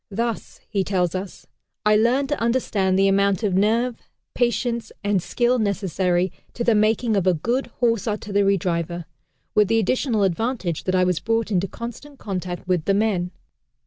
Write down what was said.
"Thus," he tells us, "I learned to understand the amount of nerve, patience and skill necessary to the making of a good Horse Artillery driver, with the additional advantage that I was brought into constant contact with the men."